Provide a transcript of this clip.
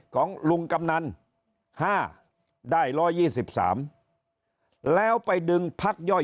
ของลุงกำนันห้าได้ร้อยยี่สิบสามแล้วไปดึงพักย่อย